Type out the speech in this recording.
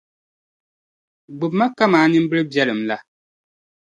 Gbibi ma kaman nimbili biɛlim la.